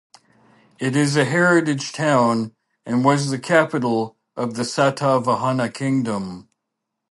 It is a heritage town and was the capital of the Satavahana Kingdom.